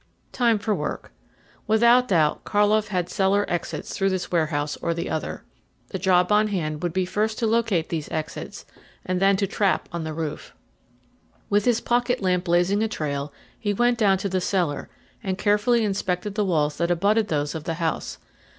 Time for work. Without doubt Karlov had cellar exits through this warehouse or the other. The job on hand would be first to locate these exits, and then to the trap on the roof. With his pocket lamp blazing a trail he went down to the cellar and carefully inspected the walls that abutted those of the house.